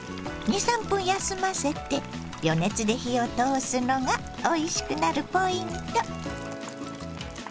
２３分間休ませて余熱で火を通すのがおいしくなるポイント。